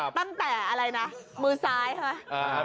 ตั้งแต่อะไรนะมือซ้ายใช่ไหม